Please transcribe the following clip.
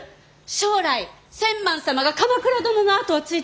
将来千幡様が鎌倉殿の跡を継いだら。